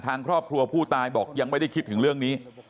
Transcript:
ทางครอบครัวผู้ตายบอกยังไม่ได้คิดถึงเรื่องนี้